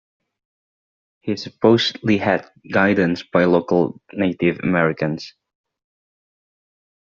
He supposedly had guidance by local Native Americans.